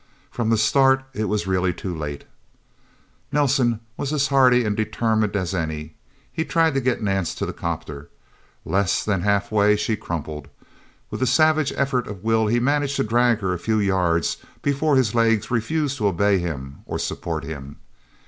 From the start it was really too late. Nelsen was as hardy and determined as any. He tried to get Nance to the 'copter. Less than halfway, she crumpled. With a savage effort of will he managed to drag her a few yards, before his legs refused to obey him, or support him.